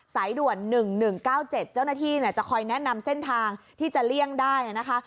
สายด่วนหนึ่งหนึ่งเก้าเจ็ดเจ้าหน้าที่เนี่ยจะคอยแนะนำเส้นทางที่จะเลี่ยงได้นะคะ